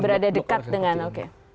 berada dekat dengan oke